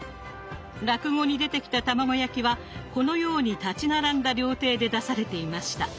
落語に出てきた卵焼きはこのように立ち並んだ料亭で出されていました。